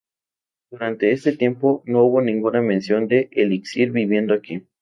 Durante este tiempo, no hubo ninguna mención de Elixir viviendo aquí.